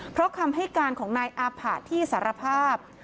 เพราะคำให้การของนายอาผะที่สารภาพ